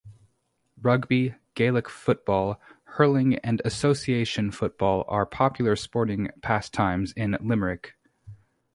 Rugby, Gaelic football, hurling and association football are popular sporting pastimes in Limerick.